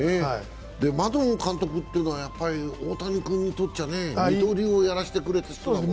マドン監督というのは大谷君にとっちゃ、二刀流をやらせてくれたんだよね。